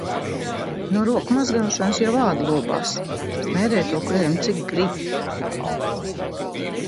No roku mazgāšanas jau āda lobās, smērē to krēmu, cik gribi.